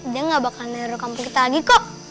dia gak bakal nerokan kita lagi kok